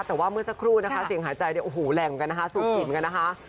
แต่ว่าเมื่อสักครู่เสียงหายใจแรงกันสูบจินกันนะคะ